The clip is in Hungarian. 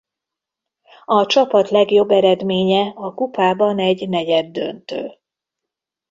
A csapat legjobb eredménye a kupában egy negyeddöntő.